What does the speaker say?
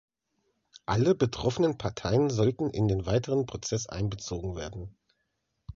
Alle betroffenen Parteien sollten in den weiteren Prozess einbezogen werden.